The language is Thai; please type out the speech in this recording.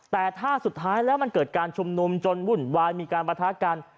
แต่ถ้าสุดท้ายแล้วมันเกิดการชุมนุมจนวุ่นวายมีการประทะกัน